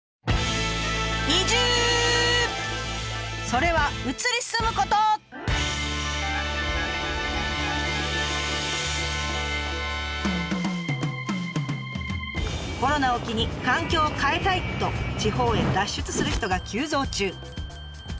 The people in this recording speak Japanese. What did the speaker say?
それはコロナを機に「環境を変えたい！」と地方へ脱出する人が急増中。